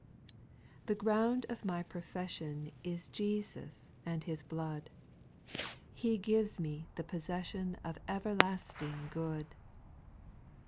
2,' The ground of my profession Is Jesus aiid His blood ; He gives me the j)ossession Of everlasting good.